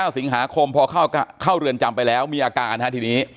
สิงหาคมพอเข้าเรือนจำไปแล้วมีอาการทีนี้